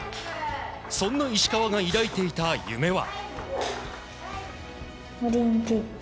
そんな石川が抱いていた夢は。